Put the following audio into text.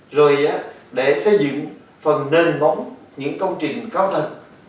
rồi để xây dựng phần nền bóng những công trình cao thật